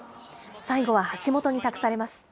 最後は橋本に託されます。